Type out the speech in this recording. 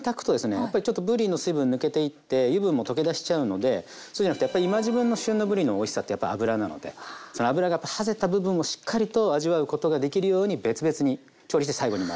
やっぱりちょっとぶりの水分抜けていって油分も溶け出しちゃうのでそうじゃなくってやっぱり今時分のその脂がはぜた部分をしっかりと味わうことができるように別々に調理して最後に混ぜ合わせます。